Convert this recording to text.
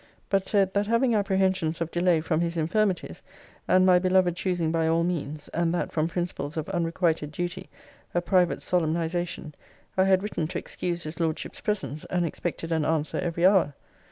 But said, that having apprehensions of delay from his infirmities, and my beloved choosing by all means (and that from principles of unrequited duty) a private solemnization, I had written to excuse his Lordship's presence; and expected an answer every hour.